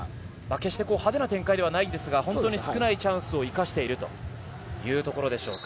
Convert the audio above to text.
決して派手な展開ではないんですが本当に少ないチャンスを生かしているというところでしょうか。